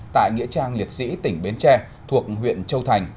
tại nghĩa trang liệt sĩ tỉnh bến tre thuộc huyện châu thành